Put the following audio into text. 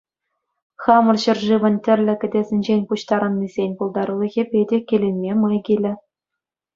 Хамӑр ҫӗршывӑн тӗрлӗ кӗтесӗнчен пуҫтарӑннисен пултарулӑхӗпе те киленме май килӗ.